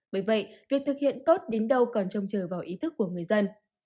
bởi vậy việc thực hiện tốt đến đâu còn trông chờ vào ý thức của người dân